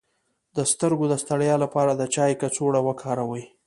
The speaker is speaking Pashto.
د سترګو د ستړیا لپاره د چای کڅوړه وکاروئ